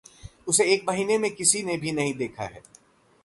उसे एक महीने में किसी ने भी नहीं देखा है।